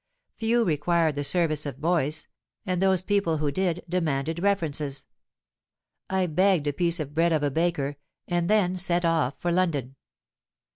Few required the service of boys; and those people who did, demanded references. I begged a piece of bread of a baker, and then set off for London.